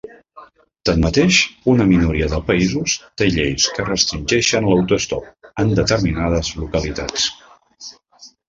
Tanmateix, una minoria de països té lleis que restringeixen l'autostop en determinades localitats.